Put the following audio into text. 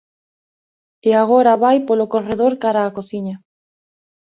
E agora vai polo corredor cara á cociña.